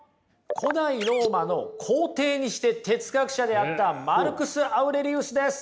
古代ローマの皇帝にして哲学者であったマルクス・アウレリウスです。